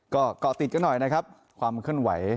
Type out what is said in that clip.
ก็เกาะติดกันหน่อยนะครับความเคลื่อนไหว